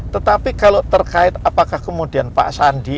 tetapi kalau terkait apakah kemudian pak sandi